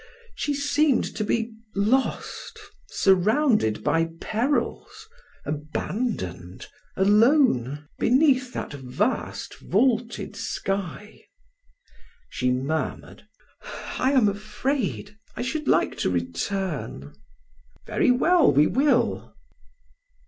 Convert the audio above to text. She seemed to be lost, surrounded by perils, abandoned, alone, beneath that vast vaulted sky. She murmured: "I am afraid; I should like to return." "Very well, we will."